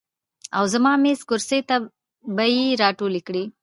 او زما میز، کرسۍ ته به ئې راټولې کړې ـ